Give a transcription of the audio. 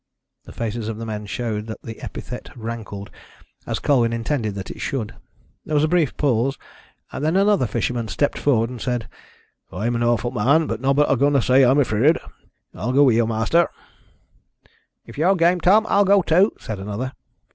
The faces of the men showed that the epithet rankled, as Colwyn intended that it should. There was a brief pause, and then another fisherman stepped forward and said: "I'm a Norfolk man, and nobbut agoin' to say I'm afeered. I'll go wi' yow, ma'aster." "If yower game, Tom, I'll go too," said another.